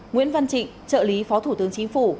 nguyễn văn trịnh trợ lý phó thủ tướng chính phủ